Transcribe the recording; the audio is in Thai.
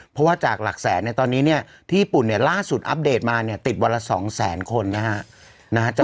เพราะว่าจากหลักแสนตอนนี้ที่ญี่ปุ่นล่าสุดอัปเดตมาติดวันละ๒๐๐๐๐๐คนนะฮะ